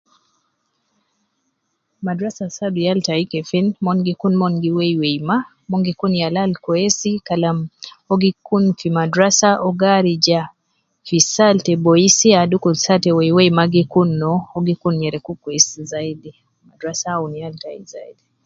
Madrasa saadu yal tai kefin, mon gi kun mon gi wei wei ma, mon gi kun yala al kwesi kalam, uwo gi kun fi madrasa, uwo gi arija fi saa al te boui sia, dukur saa te wei wei ma gi kun no, uwo gi kun nyereku kwesi zaidi, madarasa awun yal tai zaidi